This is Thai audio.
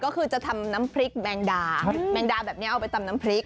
ก็คือจะทำน้ำพริกแมงดาแมงดาแบบนี้เอาไปตำน้ำพริก